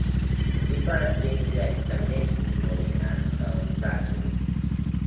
The difference being their examination board and course structure.